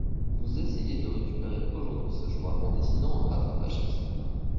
Vous essayez de récupérer aujourd’hui ce choix en décidant un rattrapage fiscal.